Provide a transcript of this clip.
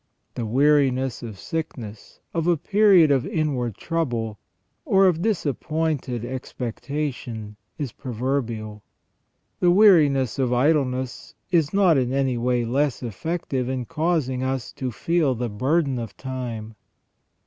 The weariness of sickness, of a period of inward trouble, or of disappointed expectation, is proverbial. The weari ness of idleness is not in any way less effective in causing us to feel the burden of time.